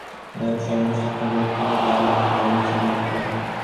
মানবজাতির সমগ্র শিক্ষায় প্রত্যেকেরই দান একটি অংশ মাত্র।